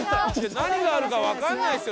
何があるかわかんないですよ。